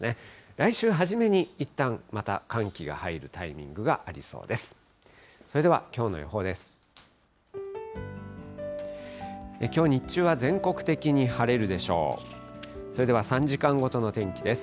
来週初めにいったん、また寒気が入るタイミングがありそうです。